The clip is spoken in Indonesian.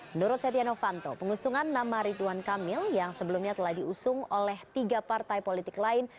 menurut setia novanto pengusungan nama ridwan kamil yang sebelumnya telah diusung oleh tiga partai politik lain